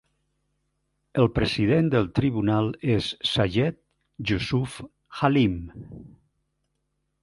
El president del tribunal és Sayed Yousuf Halim.